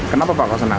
kenapa pak kesenang